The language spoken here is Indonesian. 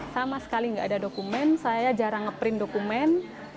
sama sekali nggak ada dokumen saya jarang ngeprint dokumen